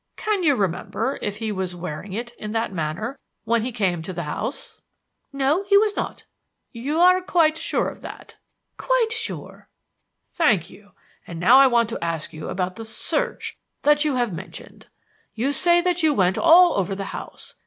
Can you remember if he was wearing it in that manner when he came to the house?" "No, he was not." "You are sure of that." "Quite sure." "Thank you. And now I want to ask you about the search that you have mentioned. You say that you went all over the house.